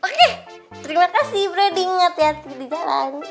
oke terima kasih broding hati hati di jalan